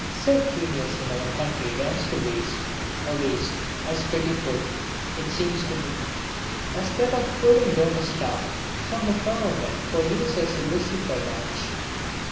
Such genius in our country runs to waste, a waste, as pitiful, it seems to me, as that of pulling down a star from the firmament for use as a lucifer match.